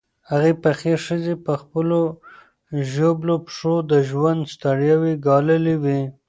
هغې پخې ښځې په خپلو ژوبلو پښو د ژوند ستړیاوې ګاللې وې.